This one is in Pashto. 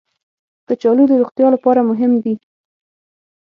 کچالو د روغتیا لپاره مهم دي